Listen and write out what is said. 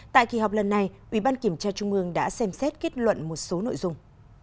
tại kỳ họp lần này ủy ban kiểm tra trung ương đã xem xét kết luận một số nội dung